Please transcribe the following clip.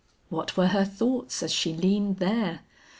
What were her thoughts as she leaned there!